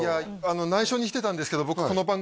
内緒にしてたんですけど